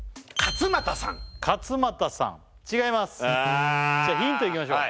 はいじゃあヒントいきましょう